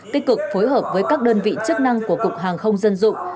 tích cực phối hợp với các đơn vị chức năng của cục hàng không dân dụng